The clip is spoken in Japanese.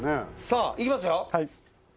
さあいきますよ。